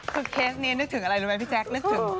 คือเคสนี้นึกถึงอะไรนะลูก